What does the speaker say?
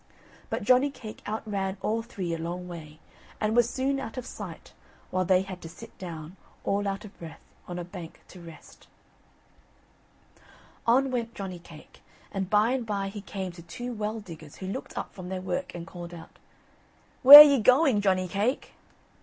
But Johnny cake outran all three a long way, and was soon out of sight, while they had to sit down, all out of breath, on a bank to rest. On went Johnny cake, and by and by he came to two well diggers who looked up from their work and called out: "Where ye going, Johnny cake?"